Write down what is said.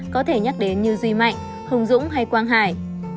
có thể nhắc đến như duy mạnh hùng dũng hay quang hải